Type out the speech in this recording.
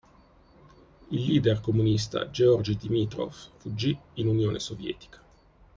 Il "leader" comunista Georgi Dimitrov fuggì in Unione Sovietica.